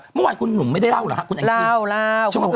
เมื่อวานคุณหนุ่มไม่ได้เล่าหรือครับ